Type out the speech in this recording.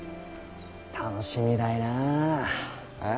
楽しみだいなぁ。え？